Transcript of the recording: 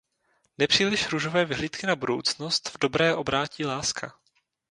Nepříliš růžové vyhlídky na budoucnost v dobré obrátí láska.